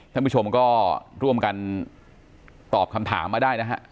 ท่านผู้ชมก็ร่วมกันตอบคำถามมาได้นะฮะ